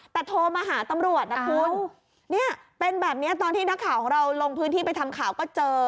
แต่โทรมาหาตำรวจนะคุณเนี่ยเป็นแบบนี้ตอนที่นักข่าวของเราลงพื้นที่ไปทำข่าวก็เจอ